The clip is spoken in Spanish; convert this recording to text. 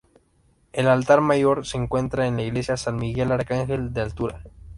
El Altar mayor se encuentra en la Iglesia San Miguel Arcángel de Altura.